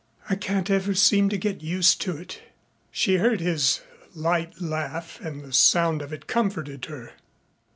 "I can't ever seem to get used to it." She heard his light laugh and the sound of it comforted her.